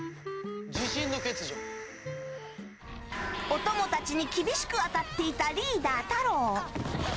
お供たちに厳しく当たっていたリーダー、タロウ。